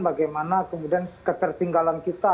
bagaimana kemudian ketertinggalan kita